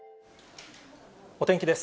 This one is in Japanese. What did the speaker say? お天気です。